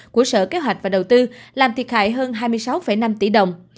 của sở kế hoạch và đầu tư làm thiệt hại hơn hai mươi sáu năm tỷ đồng